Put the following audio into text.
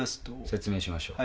説明しましょう。